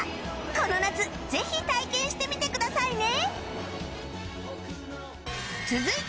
この夏ぜひ体験してみてくださいね！